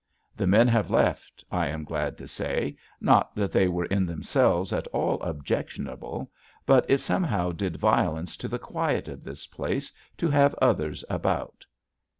The men have left, I am glad to say, not that they were in themselves at all objectionable, but it somehow did violence to the quiet of this place to have others about.